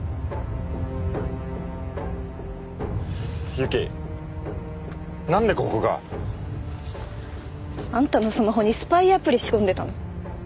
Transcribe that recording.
由季なんでここが？あんたのスマホにスパイアプリ仕込んでたの。